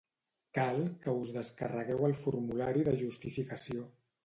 Cal que us descarregueu el formulari de justificació.